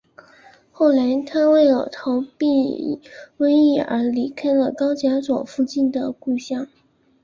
后来他为了逃避瘟疫而离开了高加索附近的故乡。